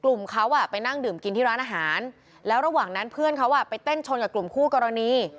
กลุ่มเขาอ่ะไปนั่งดื่มกินที่ร้านอาหารแล้วระหว่างนั้นเพื่อนเขาอ่ะไปเต้นชนกับกลุ่มคู่กรณี